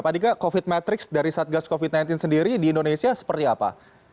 pak dika covid matrix dari satgas covid sembilan belas sendiri di indonesia seperti apa